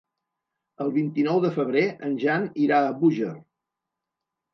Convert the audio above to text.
El vint-i-nou de febrer en Jan irà a Búger.